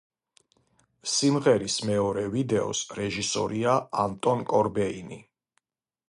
სიმღერის მეორე ვიდეოს რეჟისორია ანტონ კორბეინი.